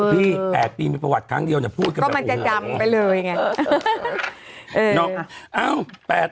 ๘ปีมีประวัติครั้งเดียวเนี่ยพูดกันเพราะมันจะดำไปเลยไง